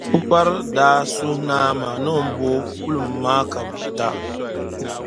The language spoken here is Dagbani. Pukpari daa suhi Naa maa ni o booi kulim maa ka be da.